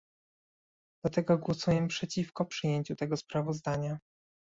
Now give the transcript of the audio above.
Dlatego głosuję przeciwko przyjęciu tego sprawozdania